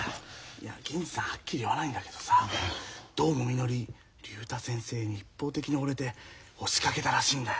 いや銀次さんはっきり言わないんだけどさどうもみのり竜太先生に一方的にほれて押しかけたらしいんだよ。